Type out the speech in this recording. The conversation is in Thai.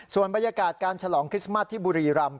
ส่วนบรรยากาศการฉลองคริสต์มัสที่บุรีรำ